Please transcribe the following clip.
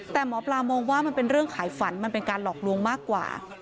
แต่หมอปลามองว่ามันเป็นเรื่องขายฝันมันเป็นการหลอกลวงมากกว่า